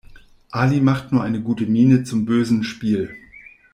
Ali macht nur eine gute Miene zum bösen Spiel.